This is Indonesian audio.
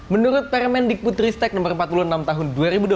menurut permendikbut ristek nomor empat puluh enam tahun dua ribu dua puluh tiga